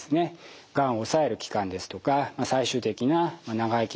がんを抑える期間ですとか最終的な長生きの度合いとかですね